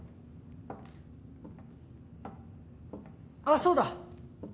あっそうだ。